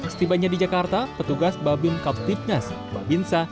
setibanya di jakarta petugas babin kaptipnas babinsa